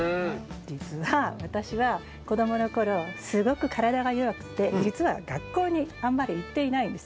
実は私は子供の頃すごく体が弱くて実は学校にあんまり行っていないんですよ。